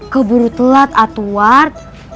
keburu telat etwar